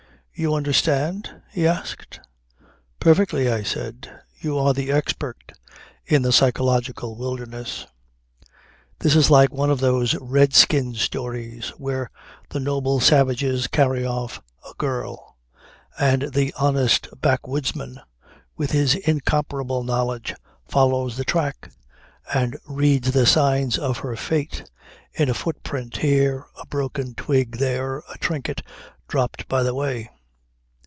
"You understand?" he asked. "Perfectly," I said. "You are the expert in the psychological wilderness. This is like one of those Red skin stories where the noble savages carry off a girl and the honest backwoodsman with his incomparable knowledge follows the track and reads the signs of her fate in a footprint here, a broken twig there, a trinket dropped by the way.